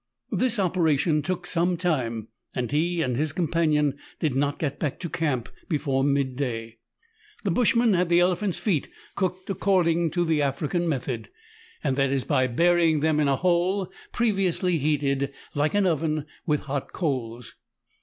This operation took some time, and he and his companion did not get back to camp before midday. The bushman had the elephjipt's feet cooked according to the African method. 88 MERIDIANA , THE ADVENTURES OF that is, by burying them in a hole previously heated, like an oven, with hot coals.